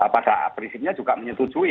pada prinsipnya juga menyetujui